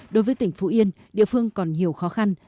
đối với tỉnh phú yên địa phương còn nhiều khó khăn